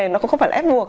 nó không phải là ép buộc